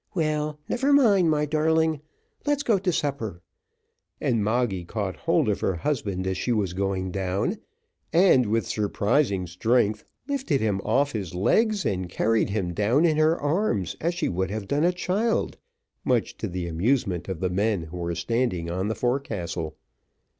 Well, never mind, my darling, let's go to supper;" and Moggy caught hold of her husband as she was going down, and with surprising strength lifted him off his legs and carried him down in her arms as she would have done a child, much to the amusement of the men who were standing on the forecastle.